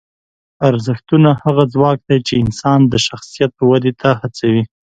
ارزښتونه هغه ځواک دی چې انسان د شخصیت ودې ته هڅوي.